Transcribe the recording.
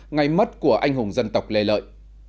ngày mất của anh hùng dân tộc lê lợi